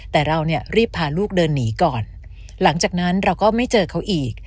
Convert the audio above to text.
แต่เราเนี่ยรีบพาลูกเดินหนีก่อนหลังจากนั้นเราก็ไม่เจอเขาอีก